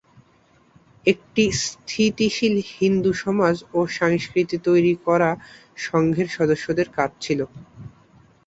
একটি স্থিতিশীল হিন্দু সমাজ ও সংস্কৃতি তৈরি করা সংঘের সদস্যদের কাজ ছিল।